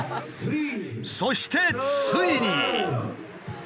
そしてついに。